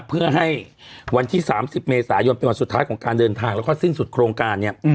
เพื่อให้วันที่๓๐เมษายนเป็นวันสุดท้ายของการเดินทางแล้วก็สิ้นสุดโครงการเนี่ย